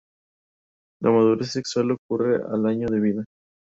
La madurez sexual ocurre al año de vida.